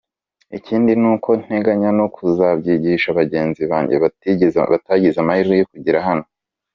Ikindi nuko nteganya no kuzabyigisha bagenzi banjye batagize amahirwe yo kugera hano.